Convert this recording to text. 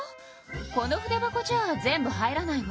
この筆箱じゃあ全部入らないわ。